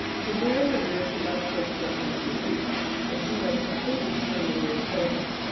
The near leader is the most difficult one to reach, as you must completely turn your wrist over.